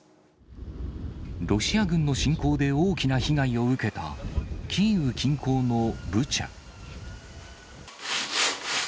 ロシア軍の侵攻で大きな被害を受けたキーウ近郊のブチャ。